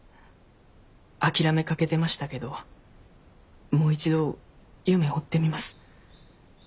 諦めかけてましたけどもう一度夢追ってみます。